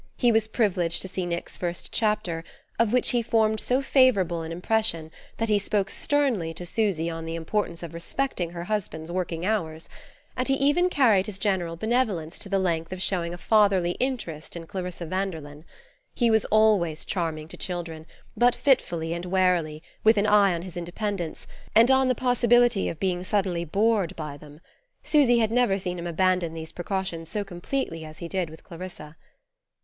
He was privileged to see Nick's first chapter, of which he formed so favourable an impression that he spoke sternly to Susy on the importance of respecting her husband's working hours; and he even carried his general benevolence to the length of showing a fatherly interest in Clarissa Vanderlyn. He was always charming to children, but fitfully and warily, with an eye on his independence, and on the possibility of being suddenly bored by them; Susy had never seen him abandon these precautions so completely as he did with Clarissa.